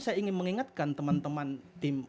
saya ingin mengingatkan teman teman tim